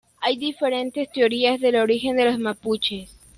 Hay diferentes teorías del origen de los mapuches.